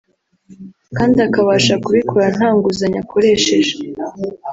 kandi akabasha kubikora nta nguzanyo akoresheje